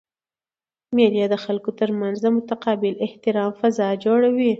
مېلې د خلکو ترمنځ د متقابل احترام فضا جوړوي.